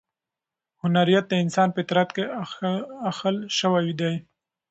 هنریت د انسان په فطرت کې اخښل شوی دی.